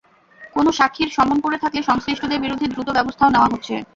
কোনো সাক্ষীর সমন পড়ে থাকলে সংশ্লিষ্টদের বিরুদ্ধে দ্রুত ব্যবস্থাও নেওয়া হচ্ছে।